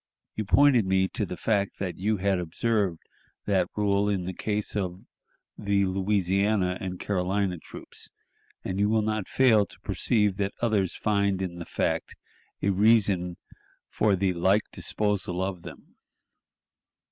You pointed me to the fact that you had observed that rule in the case of the Louisiana and Carolina troops, and you will not fail to perceive that others find in the fact a reason for the like disposal of them.